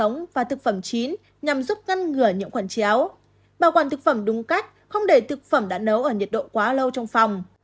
nhằm giúp ngăn ngừa nhiễm khuẩn chéo bảo quản thực phẩm đúng cách không để thực phẩm đã nấu ở nhiệt độ quá lâu trong phòng